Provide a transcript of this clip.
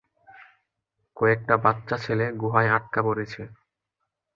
কয়েকটা বাচ্চা ছেলে গুহায় আটকা পড়েছে।